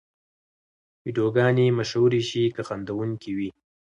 ویډیوګانې مشهورې شي که خندوونکې وي.